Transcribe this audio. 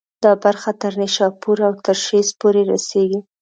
دا برخه تر نیشاپور او ترشیز پورې رسېږي.